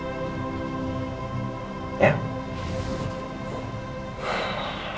aku akan jemput kamu ke sana